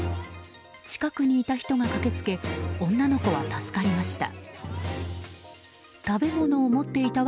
近くにいた人が駆けつけ女の子は助かりました。